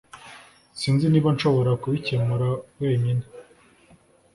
Sinzi niba nshobora kubikemura wenyine